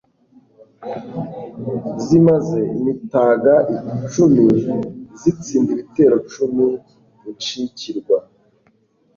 Zimaze imitaga cumi Zitsinda ibitero cumi Incikirwa